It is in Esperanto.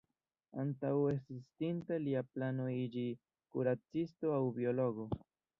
Antaŭe estis estinta lia plano iĝi kuracisto aŭ biologo.